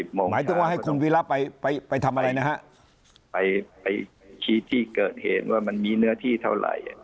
หมายถึงว่าให้คุณวิระไปทำอะไรนะฮะไปชี้ที่เกิดเหตุว่ามันมีเนื้อที่เท่าไหร่